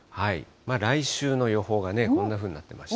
来週の予報がこんなふうになってまして。